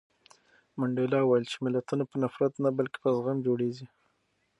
منډېلا وویل چې ملتونه په نفرت نه بلکې په زغم جوړېږي.